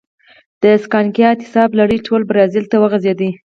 د سکانیا اعتصاب لړۍ ټول برازیل ته وغځېده.